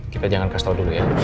kita jangan kasih tahu dulu ya